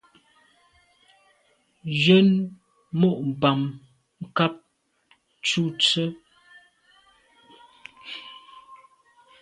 Njen mo’ bàm nkàb ntshu ntse.